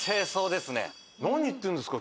何言ってんですか！